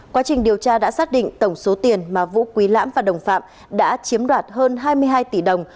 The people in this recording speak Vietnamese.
quá trình điều tra đã xác định tổng số tiền mà vũ quý lãm và đồng phạm đã chiếm đoạt hơn hai mươi hai tỷ đồng